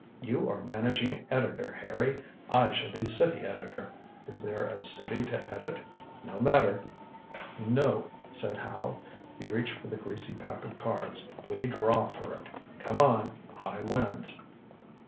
You are managing editor, Harry. I shall be city editor. Is there a city to edit? No matter." "No," said Howe. He reached for the greasy pack of cards. "We draw for it. Come on. High wins."